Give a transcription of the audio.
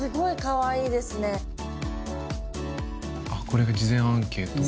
これが事前アンケート。